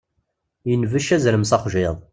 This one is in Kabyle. Yenbec azrem s axjiḍ.